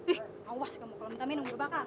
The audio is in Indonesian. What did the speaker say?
ih awas kamu kalau minta minum udah bakal